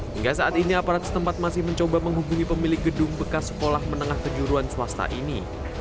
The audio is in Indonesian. hingga saat ini aparat setempat masih mencoba menghubungi pemilik gedung bekas sekolah menengah kejuruan swasta ini